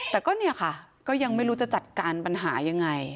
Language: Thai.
แต่ก็เนี่ยค่ะก็ยังไม่รู้จะจัดการปัญหายังไง